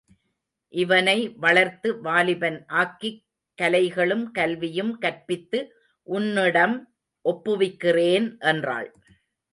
இவனை வளர்த்து வாலிபன் ஆக்கிக் கலைகளும் கல்வியும் கற்பித்து உன்னிடம் ஒப்புவிக்கிறேன் என்றாள்.